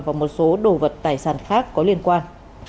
và một số đồ vật tài sản khác có liên quan